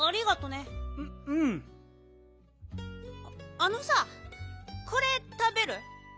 あのさこれたべる？